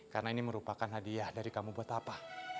karena ini merupakan hadiah dari kamu buat apa